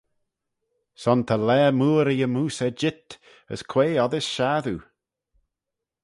Son ta laa mooar e yymmoose er jeet, as quoi oddys shassoo?